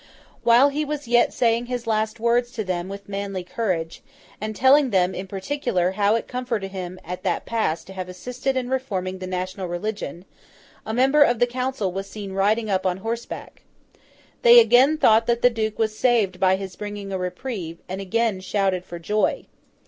While he was yet saying his last words to them with manly courage, and telling them, in particular, how it comforted him, at that pass, to have assisted in reforming the national religion, a member of the Council was seen riding up on horseback. They again thought that the Duke was saved by his bringing a reprieve, and again shouted for joy.